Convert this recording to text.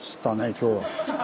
今日は。